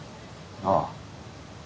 ああ。